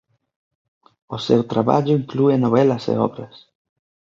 O seu traballo inclúe novelas e obras.